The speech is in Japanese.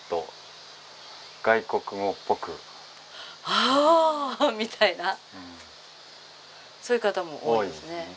「ああ！」みたいなそういう方も多いですね。